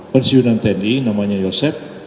pensiunan tni namanya yosep